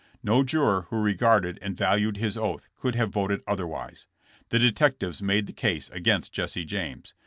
No juror who regarded and valued his oath could have voted otherwise. The detectives made the case against Jesse James.